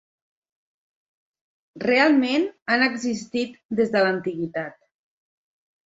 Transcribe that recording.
Realment, han existit des de l'antiguitat.